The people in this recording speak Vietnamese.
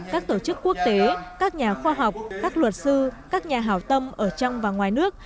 các tổ chức quốc tế các nhà khoa học các luật sư các nhà hảo tâm ở trong và ngoài nước